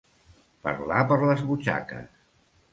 Parlar per les butxaques.